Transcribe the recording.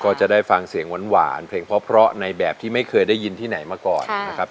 ก็จะได้ฟังเสียงหวานเพลงเพราะในแบบที่ไม่เคยได้ยินที่ไหนมาก่อนนะครับ